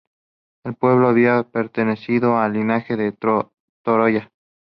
El pueblo había pertenecido al linaje de Toralla.